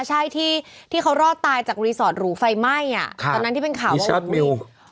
ใช่ที่เขารอดตายจากรีสอร์ทหรูไฟไหม้อ่ะตอนนั้นที่เป็นข่าวว่าสามี